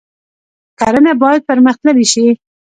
کرنه باید پرمختللې شي